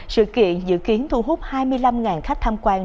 sự kiện dự kiến thu hút hai mươi năm khách tham quan